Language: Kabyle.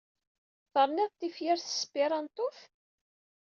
Terniḍ tifyar s tesperantot?